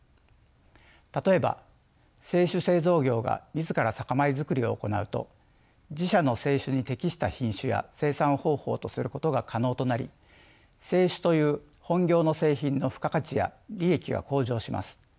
例えば清酒製造業が自ら酒米づくりを行うと自社の清酒に適した品種や生産方法とすることが可能となり清酒という本業の製品の付加価値や利益が向上します。